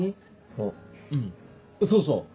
あうんそうそう。